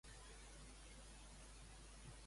I en alguna obra cinematogràfica?